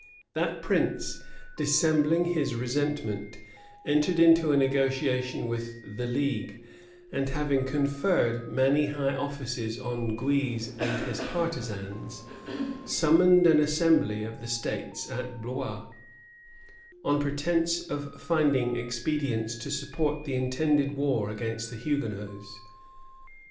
That prince, dissembling his resentment, entered into a negotiation with the league; and having conferred many high offices on Guise and his partisans, summoned an assembly of the states at Blois, on pretence of finding expedients to support the intended war against the Hugonots.